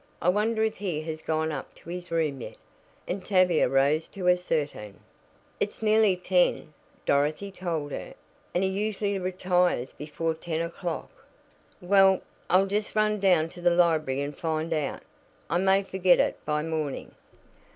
I wonder if he has gone up to his room yet?" and Tavia rose to ascertain. "It's nearly ten," Dorothy told her, "and he usually retires before ten o'clock." "Well, I'll just run down to the library and find out. I may forget it by morning."